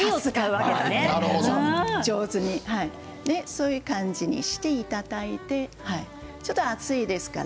上手にそういう感じにしていただいてちょっと熱いですから。